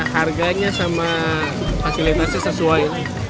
harganya sama fasilitasnya sesuai